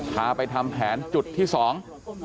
พาไปทำแผนจุดที่สอง